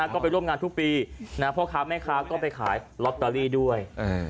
ก็ไปร่วมงานทุกปีพ่อค้าแม่ค้าก็ไปขายลอตเตอรี่ด้วย